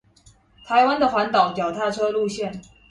台灣的環島腳踏車路線